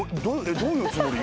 どういうつもり？